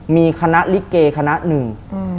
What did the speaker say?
มีคณะลิเกคณะหนึ่ง